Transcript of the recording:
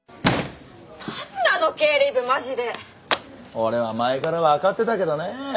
俺は前から分かってたけどね。